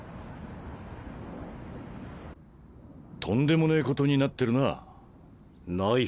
とんでもねえことになってるな。